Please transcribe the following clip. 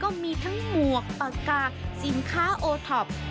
ก็มีทั้งหมวกปากกาสินค้าโอท็อป